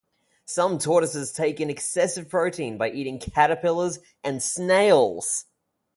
Some tortoises take in excessive protein by eating caterpillars and snails.